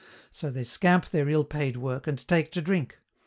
So they scamp their ill paid work and take to drink.